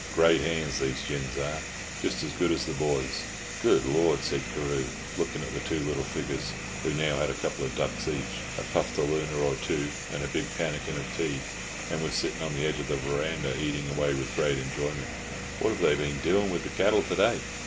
Great hands these gins are—just as good as the boys." "Good Lord!" said Carew, looking at the two little figures, who had now a couple of ducks each, a puftalooner or two, and a big pannikin of tea, and were sitting on the edge of the verandah eating away with great enjoyment; "what have they been doing with the cattle to day?"